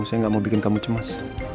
saya nggak mau bikin kamu cemas